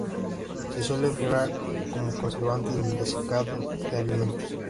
Se suele emplear como conservante en el desecado de alimentos.